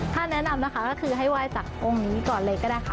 ถ้าแนะนำนะคะก็คือให้ไหว้จากองค์นี้ก่อนเลยก็ได้ค่ะ